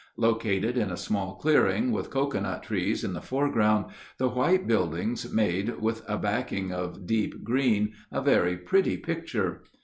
Located in a small clearing, with cocoanut trees in the foreground, the white buildings made, with a backing of deep green, a very pretty picture.